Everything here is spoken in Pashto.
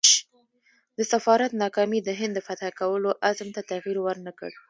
د سفارت ناکامي د هند د فتح کولو عزم ته تغییر ورنه کړ.